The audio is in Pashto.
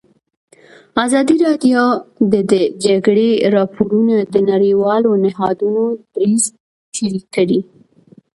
ازادي راډیو د د جګړې راپورونه د نړیوالو نهادونو دریځ شریک کړی.